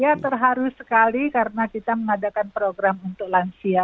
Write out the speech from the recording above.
ya terharu sekali karena kita mengadakan program untuk lansia